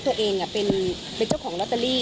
ตัวเองเป็นเจ้าของลอตเตอรี่